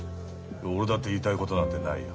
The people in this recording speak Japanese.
俺だって言いたいことなんてないよ。